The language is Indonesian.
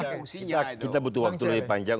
ya kita butuh waktu lebih panjang